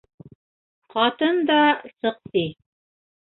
Ҡатын да сыҡ ти.